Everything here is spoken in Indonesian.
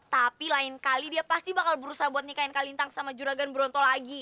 tapi lain kali dia pasti bakal berusaha buat nikahin kalintang sama juragan bronto lagi